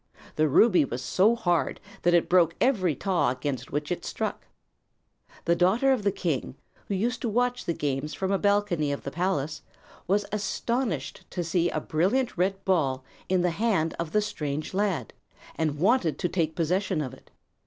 The ruby was so hard that it broke every taw against which it struck. The daughter of the king, who used to watch the games from a balcony of the palace, was astonished to see a brilliant red ball in the hand of the strange lad, and wanted to take possession of it.